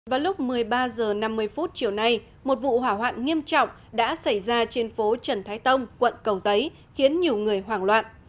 vào lúc một mươi ba h năm mươi chiều nay một vụ hỏa hoạn nghiêm trọng đã xảy ra trên phố trần thái tông quận cầu giấy khiến nhiều người hoảng loạn